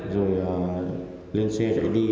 rồi lên xe chạy đi